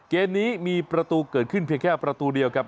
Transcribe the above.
เกมนี้มีประตูเกิดขึ้นเพียงแค่ประตูเดียวครับ